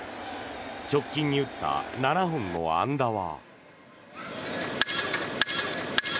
直近に打った７本の安打は。